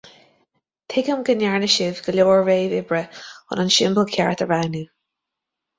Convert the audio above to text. Tuigim go ndearna sibh go leor réamh-oibre chun an siombal ceart a roghnú.